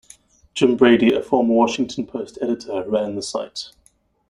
Jim Brady, a former "Washington Post" editor, ran the site.